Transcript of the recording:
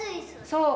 そう。